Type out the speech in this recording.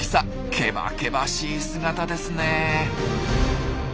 けばけばしい姿ですね。